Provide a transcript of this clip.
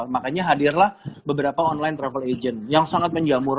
makanya hadirlah beberapa online travel agent yang sangat menjamur